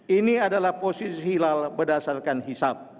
ini adalah posisi hilal berdasarkan hisap